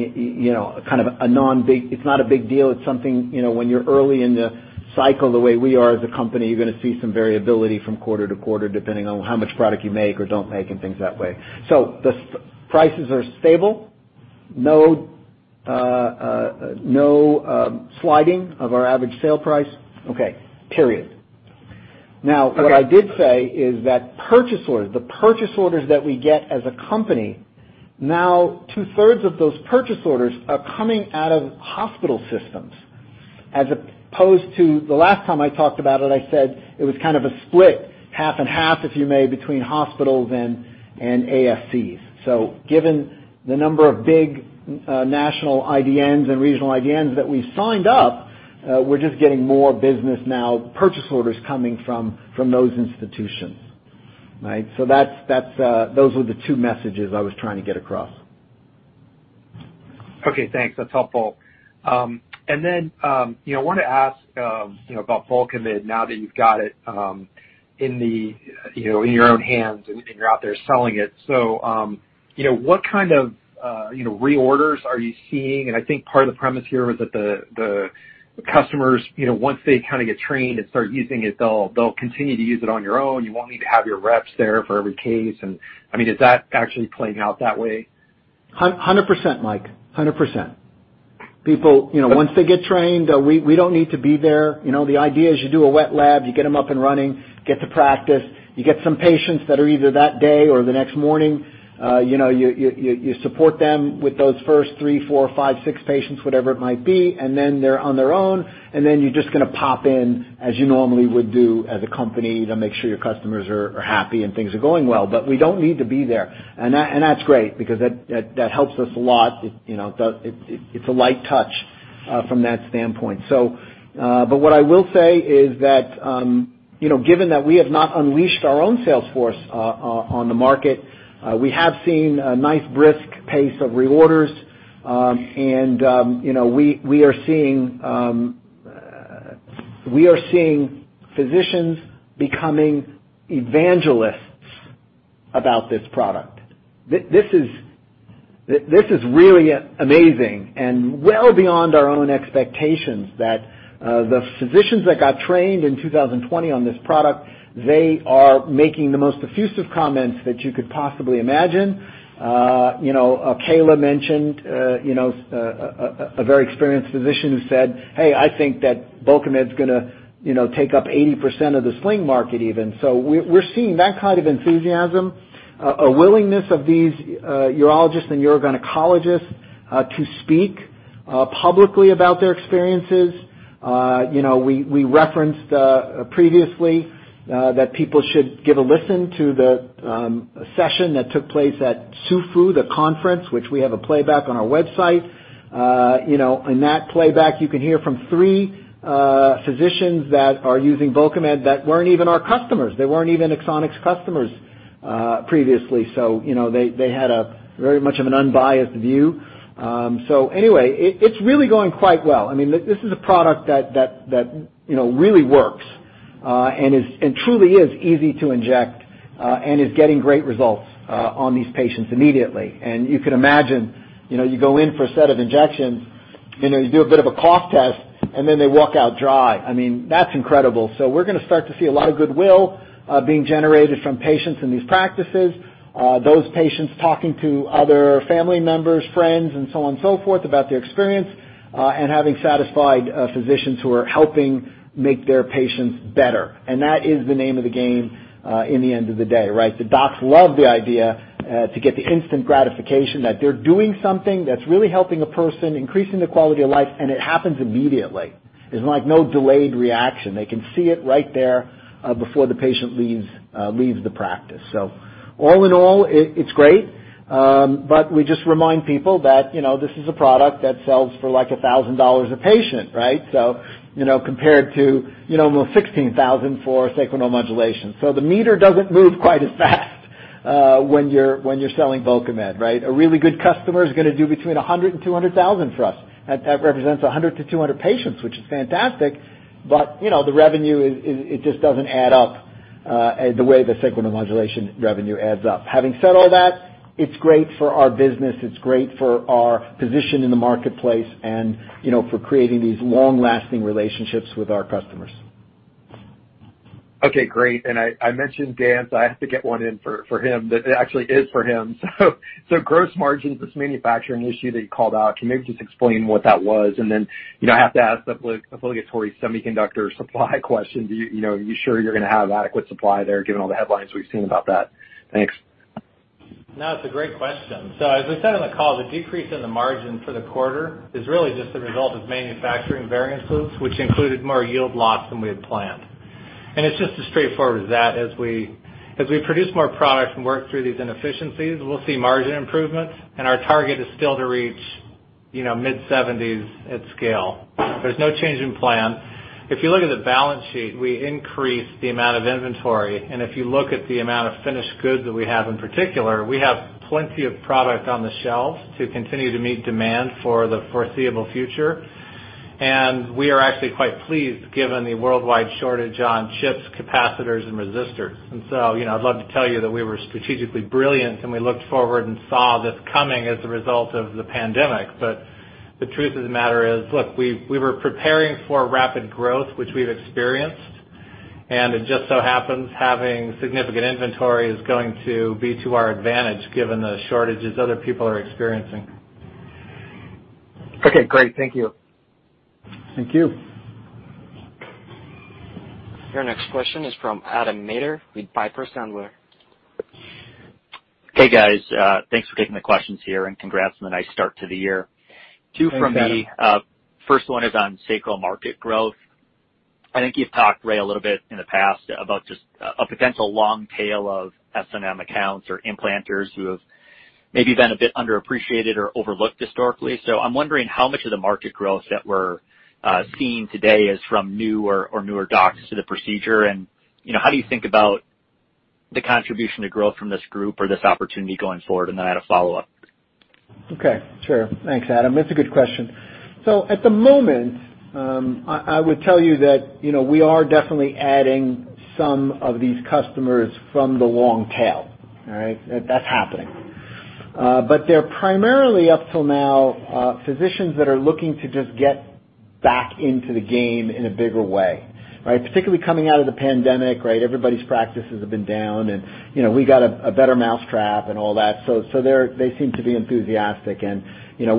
big deal. It's something, when you're early in the cycle, the way we are as a company, you're going to see some variability from quarter-to-quarter, depending on how much product you make or don't make and things that way. The prices are stable. No sliding of our average sale price. Period. Okay. What I did say is that the purchase orders that we get as a company, now two-thirds of those purchase orders are coming out of hospital systems, as opposed to the last time I talked about it, I said it was kind of a split, half and half if you may, between hospitals and ASCs. Given the number of big national IDNs and regional IDNs that we've signed up, we're just getting more business now, purchase orders coming from those institutions. Right? Those were the two messages I was trying to get across. Okay, thanks. That's helpful. I want to ask about Bulkamid now that you've got it in your own hands and you're out there selling it. What kind of reorders are you seeing? Part of the premise here was that the customers, once they kind of get trained and start using it, they'll continue to use it on your own. You won't need to have your reps there for every case. Is that actually playing out that way? 100%, Mike. 100%. Once they get trained, we don't need to be there. The idea is you do a wet lab, you get them up and running, get to practice. You get some patients that are either that day or the next morning. You support them with those first three, four, five, six patients, whatever it might be. Then they're on their own, then you're just going to pop in as you normally would do as a company to make sure your customers are happy and things are going well. We don't need to be there, that's great because that helps us a lot. It's a light touch from that standpoint. What I will say is that, given that we have not unleashed our own sales force on the market, we have seen a nice brisk pace of reorders. We are seeing physicians becoming evangelists about this product. This is really amazing and well beyond our own expectations that the physicians that got trained in 2020 on this product, they are making the most effusive comments that you could possibly imagine. Kaila mentioned a very experienced physician who said, "Hey, I think that Bulkamid's going to take up 80% of the sling market even." We're seeing that kind of enthusiasm, a willingness of these urologists and urogynecologists to speak publicly about their experiences. We referenced previously that people should give a listen to the session that took place at SUFU, the conference, which we have a playback on our website. In that playback, you can hear from three physicians that are using Bulkamid that weren't even our customers. They weren't even Axonics customers previously. They had a very much of an unbiased view. Anyway, it's really going quite well. This is a product that really works and truly is easy to inject and is getting great results on these patients immediately. You can imagine, you go in for a set of injections, you do a bit of a cough test, and then they walk out dry. That's incredible. We're going to start to see a lot of goodwill being generated from patients in these practices. Those patients talking to other family members, friends, and so on and so forth about their experience, and having satisfied physicians who are helping make their patients better. That is the name of the game in the end of the day, right? The docs love the idea to get the instant gratification that they're doing something that's really helping a person, increasing their quality of life, and it happens immediately. There's no delayed reaction. They can see it right there before the patient leaves the practice. All in all, it's great. We just remind people that this is a product that sells for like $1,000 a patient, right? Compared to almost $16,000 for sacral neuromodulation. The meter doesn't move quite as fast when you're selling Bulkamid, right? A really good customer is going to do between 100,000 and 200,000 for us. That represents 100 to 200 patients, which is fantastic. The revenue, it just doesn't add up the way the sacral neuromodulation revenue adds up. Having said all that, it's great for our business. It's great for our position in the marketplace and for creating these long-lasting relationships with our customers. Okay, great. I mentioned Dan, so I have to get one in for him that actually is for him. Gross margins, this manufacturing issue that you called out, can you maybe just explain what that was? I have to ask the obligatory semiconductor supply question. Are you sure you're going to have adequate supply there given all the headlines we've seen about that? Thanks. It's a great question. As I said on the call, the decrease in the margin for the quarter is really just a result of manufacturing variances, which included more yield loss than we had planned. It's just as straightforward as that. As we produce more products and work through these inefficiencies, we'll see margin improvements, and our target is still to reach mid-70s at scale. There's no change in plan. If you look at the balance sheet, we increased the amount of inventory, and if you look at the amount of finished goods that we have in particular, we have plenty of product on the shelves to continue to meet demand for the foreseeable future. We are actually quite pleased, given the worldwide shortage on chips, capacitors, and resistors. I'd love to tell you that we were strategically brilliant, and we looked forward and saw this coming as a result of the pandemic. The truth of the matter is, look, we were preparing for rapid growth, which we've experienced, and it just so happens having significant inventory is going to be to our advantage given the shortages other people are experiencing. Okay, great. Thank you. Thank you. Your next question is from Adam Maeder with Piper Sandler. Hey, guys. Thanks for taking the questions here. Congrats on the nice start to the year. Thanks, Adam. Two from me. First one is on sacral market growth. I think you've talked, Ray, a little bit in the past about just a potential long tail of SNM accounts or implanters who have maybe been a bit underappreciated or overlooked historically. I'm wondering how much of the market growth that we're seeing today is from new or newer docs to the procedure, and how do you think about the contribution to growth from this group or this opportunity going forward? I had a follow-up. Okay, sure. Thanks, Adam. That's a good question. At the moment, I would tell you that we are definitely adding some of these customers from the long tail. All right? That's happening. They're primarily, up till now, physicians that are looking to just get back into the game in a bigger way, right? Particularly coming out of the pandemic, right? Everybody's practices have been down, and we got a better mousetrap and all that. They seem to be enthusiastic, and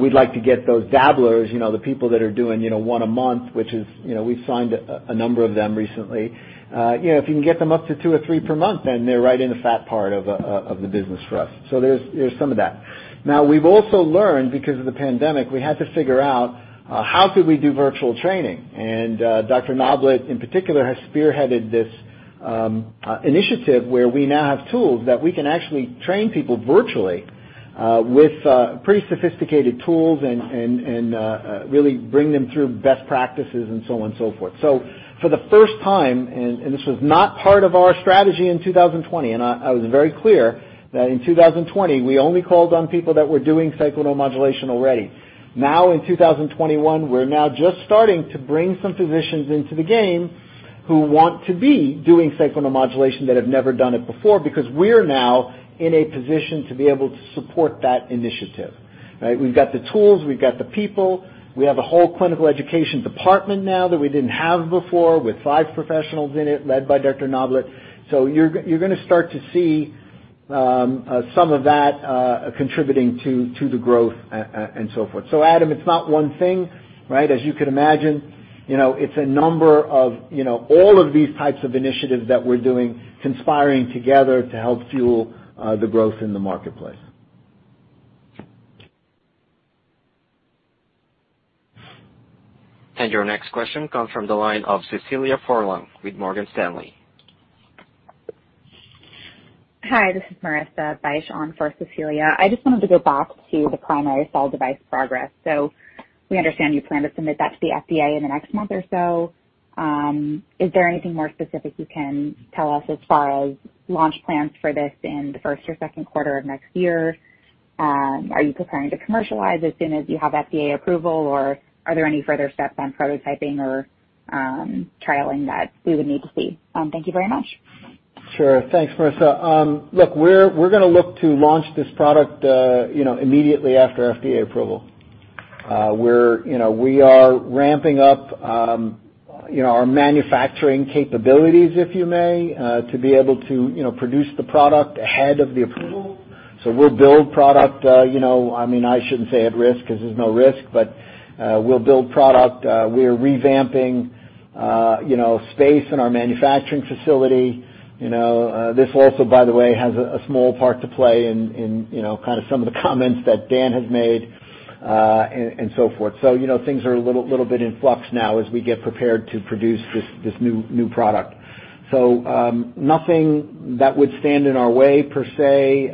we'd like to get those dabblers, the people that are doing one a month. We've signed a number of them recently. If you can get them up to two or three per month, they're right in the fat part of the business for us. There's some of that. We've also learned because of the pandemic, we had to figure out, how could we do virtual training? Dr. Noblett, in particular, has spearheaded this initiative where we now have tools that we can actually train people virtually with pretty sophisticated tools and really bring them through best practices and so on and so forth. For the first time, and this was not part of our strategy in 2020, and I was very clear that in 2020, we only called on people that were doing sacral neuromodulation already. In 2021, we're now just starting to bring some physicians into the game who want to be doing sacral neuromodulation that have never done it before, because we're now in a position to be able to support that initiative. We've got the tools, we've got the people. We have a whole clinical education department now that we didn't have before, with five professionals in it led by Dr. Noblett. You're going to start to see some of that contributing to the growth and so forth. Adam, it's not one thing, as you could imagine. It's a number of all of these types of initiatives that we're doing conspiring together to help fuel the growth in the marketplace. Your next question comes from the line of Cecilia Furlong with Morgan Stanley. Hi, this is Marissa Bych on for Cecilia. I just wanted to go back to the primary cell device progress. We understand you plan to submit that to the FDA in the next month or so. Is there anything more specific you can tell us as far as launch plans for this in the first or second quarter of next year? Are you preparing to commercialize as soon as you have FDA approval, or are there any further steps on prototyping or trialing that we would need to see? Thank you very much. Sure. Thanks, Marissa. We're going to look to launch this product immediately after FDA approval. We are ramping up our manufacturing capabilities, if you may, to be able to produce the product ahead of the approval. We'll build product, I shouldn't say at risk because there's no risk, but we'll build product. We're revamping space in our manufacturing facility. This also, by the way, has a small part to play in kind of some of the comments that Dan has made and so forth. Things are a little bit in flux now as we get prepared to produce this new product. Nothing that would stand in our way per se.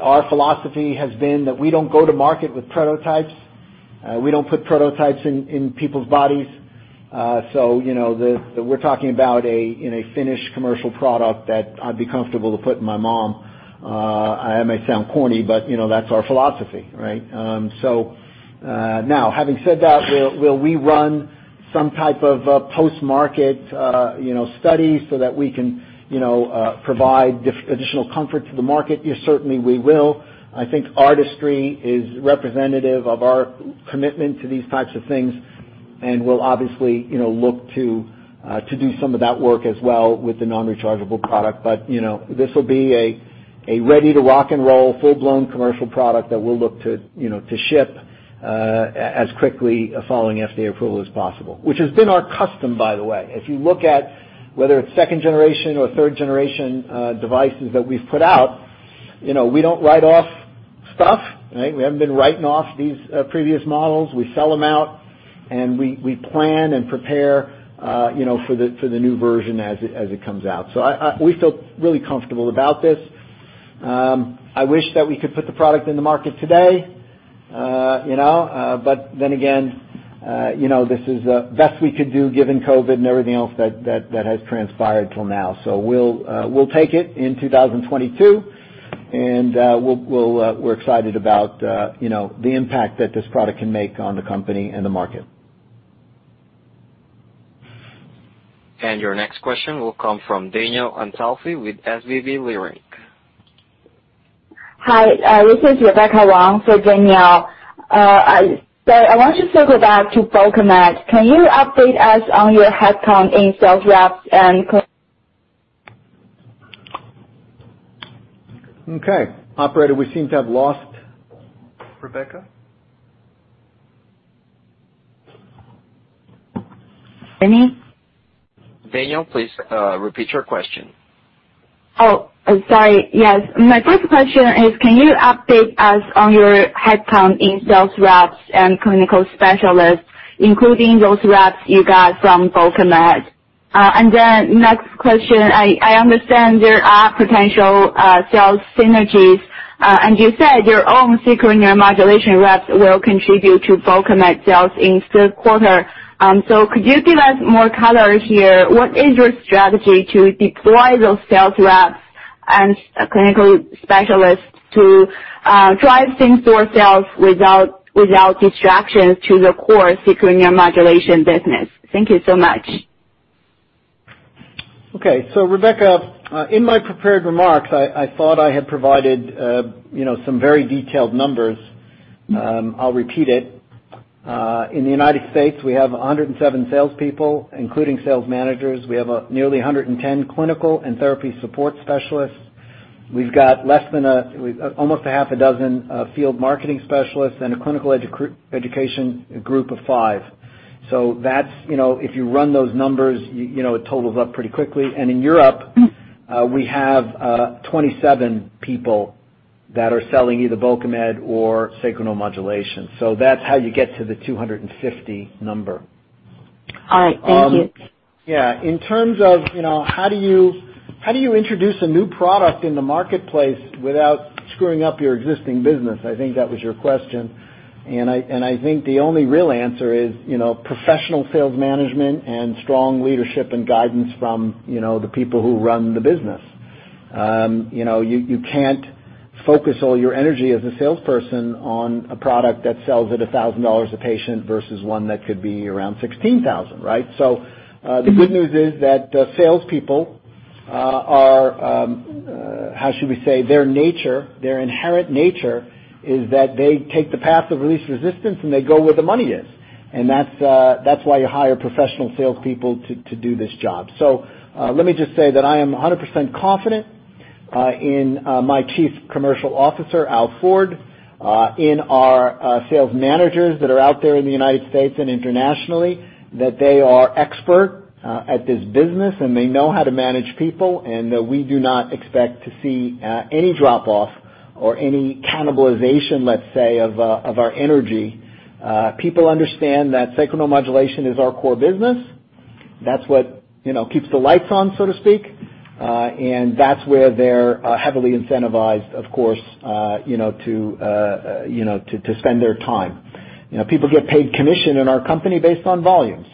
Our philosophy has been that we don't go to market with prototypes. We don't put prototypes in people's bodies. We're talking about a finished commercial product that I'd be comfortable to put in my mom. I may sound corny, but that's our philosophy. Having said that, will we run some type of post-market study so that we can provide additional comfort to the market? Yes, certainly we will. I think ARTISTRY is representative of our commitment to these types of things, and we'll obviously look to do some of that work as well with the non-rechargeable product. This will be a ready to rock and roll, full-blown commercial product that we'll look to ship as quickly following FDA approval as possible, which has been our custom, by the way. If you look at whether it's second generation or third generation devices that we've put out, we don't write off stuff. We haven't been writing off these previous models. We sell them out, we plan and prepare for the new version as it comes out. We feel really comfortable about this. I wish that we could put the product in the market today. This is the best we could do given COVID and everything else that has transpired till now. We'll take it in 2022 and we're excited about the impact that this product can make on the company and the market. Your next question will come from Danielle Antalffy with SVB Leerink. Hi, this is Rebecca Wang for Danielle. I want to circle back to Bulkamid. Can you update us on your headcount in sales reps and? Okay. Operator, we seem to have lost Rebecca. Danny? Danielle, please repeat your question. Oh, sorry. Yes. My first question is, can you update us on your headcount in sales reps and clinical specialists, including those reps you got from Bulkamid? Next question, I understand there are potential sales synergies, and you said your own sacral neuromodulation reps will contribute to Bulkamid sales in third quarter. Could you give us more color here? What is your strategy to deploy those sales reps and clinical specialists to drive things yourself without distractions to the core sacral neuromodulation business? Thank you so much. Okay. Rebecca, in my prepared remarks, I thought I had provided some very detailed numbers. I'll repeat it. In the U.S., we have 107 salespeople, including sales managers. We have nearly 110 clinical and therapy support specialists. We've got almost a half a dozen field marketing specialists and a clinical education group of five. If you run those numbers, it totals up pretty quickly. In Europe, we have 27 people that are selling either Bulkamid or sacral neuromodulation. That's how you get to the 250 number. All right. Thank you. Yeah. In terms of how do you introduce a new product in the marketplace without screwing up your existing business? I think that was your question. I think the only real answer is professional sales management and strong leadership and guidance from the people who run the business. You can't focus all your energy as a salesperson on a product that sells at $1,000 a patient versus one that could be around $16,000, right? The good news is that salespeople are, how should we say, their nature, their inherent nature is that they take the path of least resistance, and they go where the money is. That's why you hire professional salespeople to do this job. Let me just say that I am 100% confident in my Chief Commercial Officer, Al Ford, in our sales managers that are out there in the United States and internationally, that they are expert at this business, and they know how to manage people, and that we do not expect to see any drop-off or any cannibalization, let's say, of our energy. People understand that sacral neuromodulation is our core business. That's what keeps the lights on, so to speak. That's where they're heavily incentivized, of course, to spend their time. People get paid commission in our company based on volume.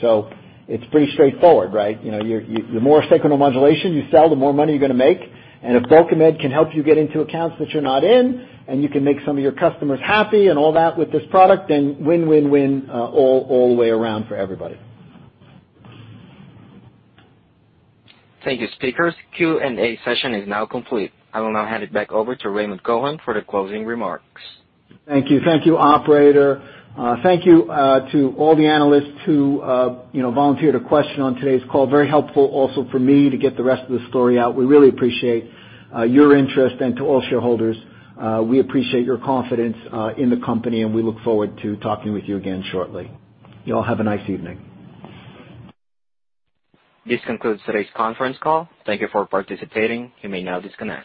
It's pretty straightforward, right? The more sacral neuromodulation you sell, the more money you're going to make. If Bulkamid can help you get into accounts that you're not in, and you can make some of your customers happy and all that with this product, then win-win-win all the way around for everybody. Thank you, speakers. Q&A session is now complete. I will now hand it back over to Raymond Cohen for the closing remarks. Thank you. Thank you, operator. Thank you to all the analysts who volunteered a question on today's call. Very helpful also for me to get the rest of the story out. We really appreciate your interest. To all shareholders, we appreciate your confidence in the company, and we look forward to talking with you again shortly. You all have a nice evening. This concludes today's conference call. Thank you for participating. You may now disconnect.